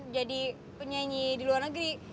jadi penyanyi di luar negeri